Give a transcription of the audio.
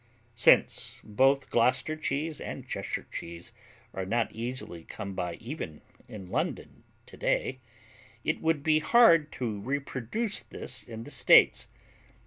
Since both Gloucester cheese and Cheshire cheese are not easily come by even in London today, it would be hard to reproduce this in the States.